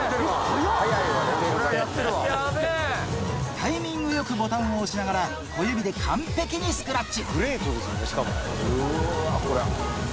タイミングよくボタンを押しながら小指で完璧にスクラッチ